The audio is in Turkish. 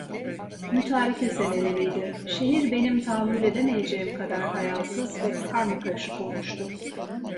Mütareke seneleriydi, şehir benim tahammül edemeyeceğim kadar hayâsız ve karmakarışık olmuştu.